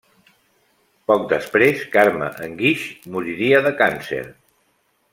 Poc després, Carme Enguix moriria de càncer.